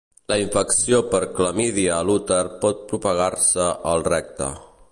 La infecció per clamídia a l'úter pot propagar-se al recte.